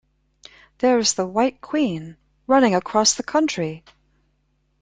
There’s the White Queen running across the country!